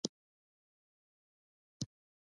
زه له تاسو راضی یم